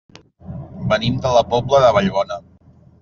Venim de la Pobla de Vallbona.